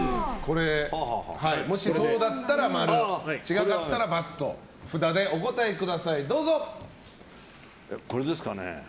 もしそうだったら○違かったら×と札でお答えください。